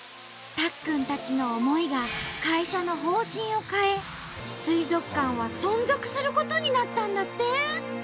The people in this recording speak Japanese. たっくんたちの思いが会社の方針を変え水族館は存続することになったんだって！